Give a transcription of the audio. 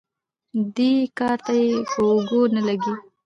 دې کار ته مې اوږه نه لګېږي.